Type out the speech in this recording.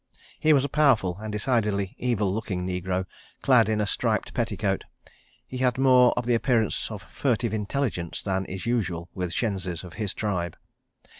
He was a powerful and decidedly evil looking negro, clad in a striped petticoat. He had more of the appearance of furtive intelligence than is usual with shenzis of his tribe.